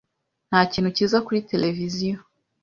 Nta kintu cyiza kuri tereviziyo.